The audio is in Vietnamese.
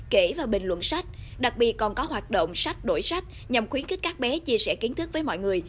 kể và bình luận sách đặc biệt còn có hoạt động sách đổi sách nhằm khuyến khích các bé chia sẻ kiến thức với mọi người